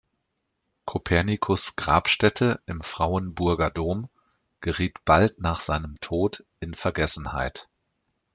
Kopernikus’ Grabstätte im Frauenburger Dom geriet bald nach seinem Tod in Vergessenheit.